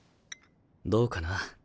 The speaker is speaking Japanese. どうかな。